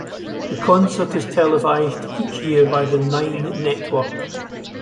The concert is televised each year by the Nine Network.